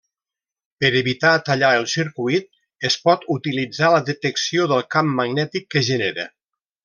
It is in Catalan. Per evitar tallar el circuit, es pot utilitzar la detecció del camp magnètic que genera.